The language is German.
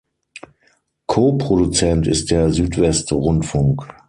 Co-Produzent ist der Südwestrundfunk.